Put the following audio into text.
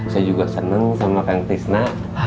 saya juga seneng sama kan tisna